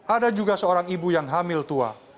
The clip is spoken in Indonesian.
ada juga seorang ibu yang hamil tua